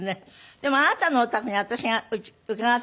でもあなたのお宅に私が伺った時に。